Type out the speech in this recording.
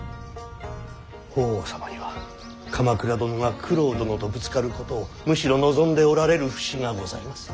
法皇様には鎌倉殿が九郎殿とぶつかることをむしろ望んでおられる節がございます。